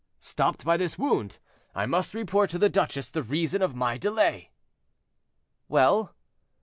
"Stopped by this wound, I must report to the duchesse the reason of my delay." "Well?"